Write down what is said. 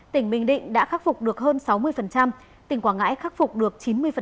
tỉnh bình định đã khắc phục được hơn sáu mươi tỉnh quảng ngãi khắc phục được chín mươi